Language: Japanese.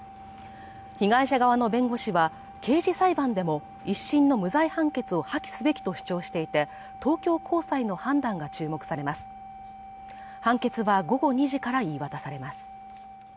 被害者側の弁護士は刑事裁判でも一審の無罪判決を破棄すべきと主張していて東京高裁の判断が注目されます判決は午後２時から言い渡されます